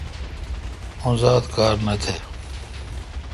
اوزات کار نہ تھ۔